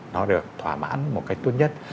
nó được thỏa mãn một cách tốt nhất